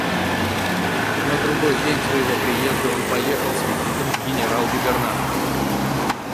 На другой день своего приезда он поехал с визитом к генерал-губернатору.